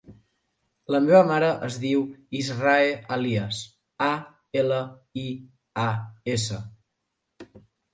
La meva mare es diu Israe Alias: a, ela, i, a, essa.